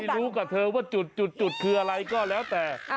รู้กับเธอว่าจุดคืออะไรก็แล้วแต่